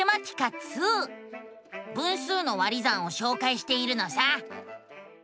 分数の「割り算」をしょうかいしているのさ。